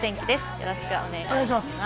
よろしくお願いします。